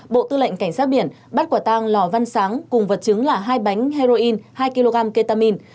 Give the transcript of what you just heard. bộ tư lệnh cảnh sát biển bắt quả tang lò văn sáng cùng vật chứng là hai bánh heroin hai kg ketamine